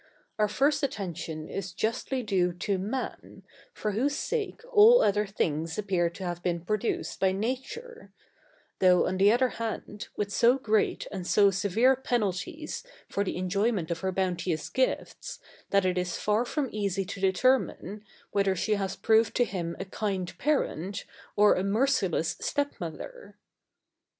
Our first attention is justly due to Man, for whose sake all other things appear to have been produced by Nature; though, on the other hand, with so great and so severe penalties for the enjoyment of her bounteous gifts, that it is far from easy to determine, whether she has proved to him a kind parent, or a merciless step mother.